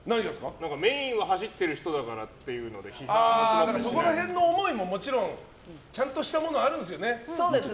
メインは走ってる人だからそこら辺の思いももちろんちゃんとしたものがあるんですよね。